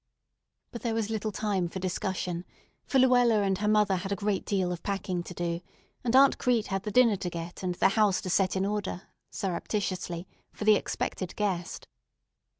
But there was little time for discussion; for Luella and her mother had a great deal of packing to do, and Aunt Crete had the dinner to get and the house to set in order, surreptitiously, for the expected guest.